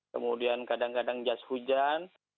kemudian kadang kadang jas hujan